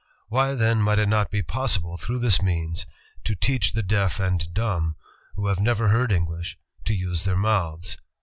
... Why, then, might it not be possible through this means to teach the deaf and dumb, who have never heard English, to use their mouths?'